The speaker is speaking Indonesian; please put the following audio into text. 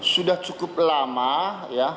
sudah cukup lama ya